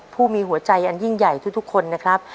ผู้มีหัวใจอันยิ่งใหญ่ทุกคนนะครับ